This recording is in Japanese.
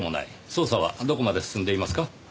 捜査はどこまで進んでいますか？